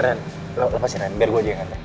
ren lepasin ren biar gue aja yang anterin